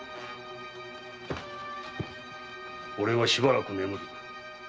おれはしばらく眠る。